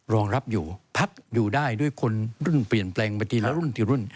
รองรับอยู่พักอยู่ได้ด้วยคนรุ่นเปลี่ยนแปลงไปทีละรุ่นทีรุ่น